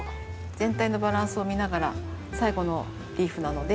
全体のバランスを見ながら最後のリーフなので。